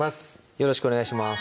よろしくお願いします